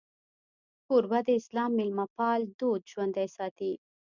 کوربه د اسلام میلمهپال دود ژوندی ساتي.